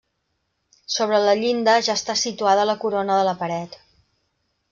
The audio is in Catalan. Sobre la llinda ja està situada la corona de la paret.